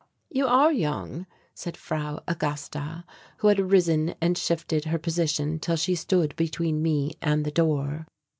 "You are young," said Frau Augusta, who had risen and shifted her position till she stood between me and the door.